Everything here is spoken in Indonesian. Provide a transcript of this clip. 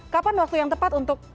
kapan waktu yang tepat untuk